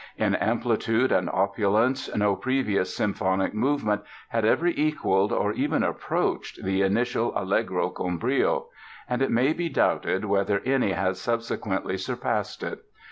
In amplitude and opulence no previous symphonic movement had ever equalled or even approached the initial "Allegro con brio," and it may be doubted whether any has subsequently surpassed it.